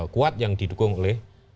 kuat yang didukung oleh